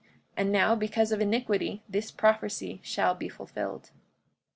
And now, because of iniquity, this prophecy shall be fulfilled.